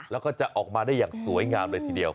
แล้วก็จะออกมาได้อย่างสวยงามเลยทีเดียว